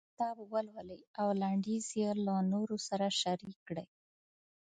کتاب ولولئ او لنډيز یې له نورو سره شريک کړئ.